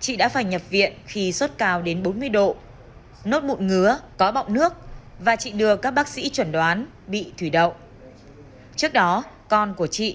chị thơm ở huyện phú xuyên thành phố hà nội